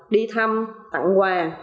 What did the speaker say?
đi thăm tặng quà